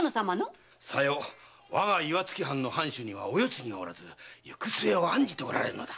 我が岩槻藩の藩主にはお世継ぎがおらず行く末を案じておられる。